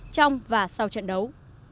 trong và sau trận đấu